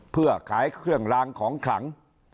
เพื่อขายเครื่องลางของขลัง